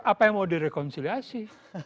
apa yang mau direkonciliasi